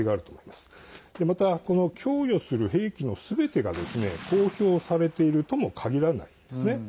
また、供与する兵器のすべてが公表されているとも限らないんですね。